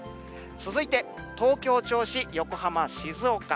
続いて、東京、銚子、横浜、静岡。